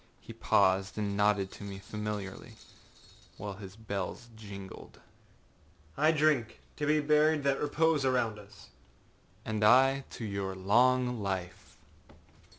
He paused and nodded to me familiarly, while his bells jingled. âI drink,â he said, âto the buried that repose around us.â âAnd I to your long life.